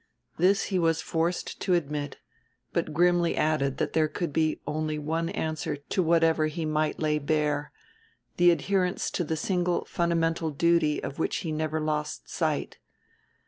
This he was forced to admit, but grimly added that there could be only one answer to whatever he might lay bare the adherence to the single fundamental duty of which he never lost sight.